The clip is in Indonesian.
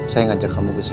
saya ngajak kamu kesini